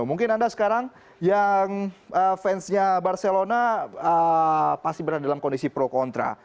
mungkin anda sekarang yang fansnya barcelona pasti berada dalam kondisi pro kontra